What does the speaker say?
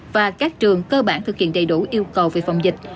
và các trường cơ bản thực hiện đầy đủ yêu cầu về phòng dịch